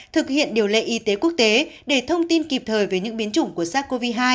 thực hiện điều lệ y tế quốc tế để thông tin kịp thời về những biến chủng của sars cov hai